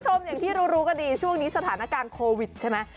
คุณผู้ชมอย่างที่รู้กันดีช่วงนี้สถานการณ์โควิดใช่ไหม